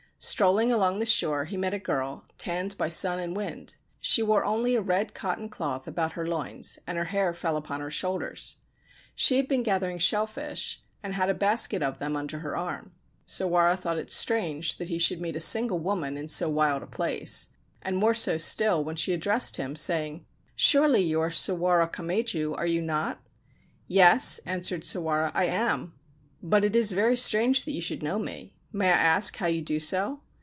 Strolling along the shore, he met a girl, tanned by sun and wind. She wore only a red cotton cloth about her loins, and her hair fell upon her shoulders. She had been gathering shell fish, and had a basket of them under her arm. Sawara thought it strange that he should meet a single woman in so wild a place, and more so still when she addressed him, saying, ' Surely you are Sawara Kameju — are you not ?'' Yes/ answered Sawara :' I am ; but it is very strange that you should know me. May I ask how you do so